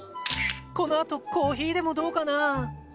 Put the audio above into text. このあとコーヒーでもどうかな？